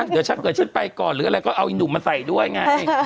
เดี๋ยวฉันเกิดฉันไปก่อนหรืออะไรก็เอาอีหนุ่มมาใส่ด้วยไง